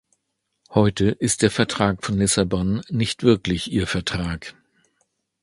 Heute ist der Vertrag von Lissabon nicht wirklich ihr Vertrag.